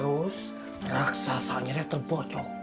terus raksasanya terbocok